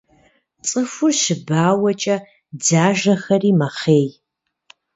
Цӏыхур щыбауэкӏэ дзажэхэри мэхъей.